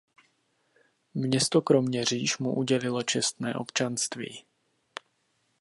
Město Kroměříž mu udělilo čestné občanství.